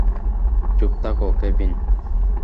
চুপ থাক, কেভিন!